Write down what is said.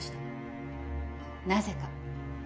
なぜか？